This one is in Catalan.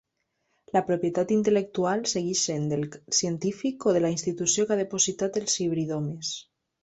La propietat intel·lectual segueix sent del científic o de la institució que ha depositat els hibridomes.